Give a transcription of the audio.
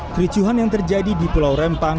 kericuhan yang terjadi di pulau rempang